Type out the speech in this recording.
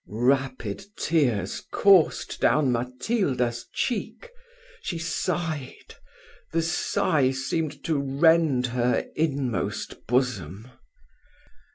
Rapid tears coursed down Matilda's cheek. She sighed the sigh seemed to rend her inmost bosom.